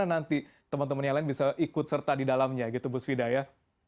bagaimana nanti teman teman yang lain bisa ikut serta di dalamnya gitu bu svida ya